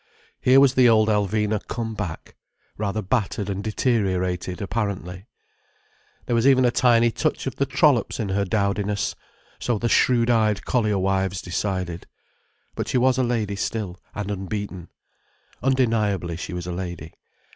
Here was the old Alvina come back, rather battered and deteriorated, apparently. There was even a tiny touch of the trollops in her dowdiness—so the shrewd eyed collier wives decided. But she was a lady still, and unbeaten. Undeniably she was a lady.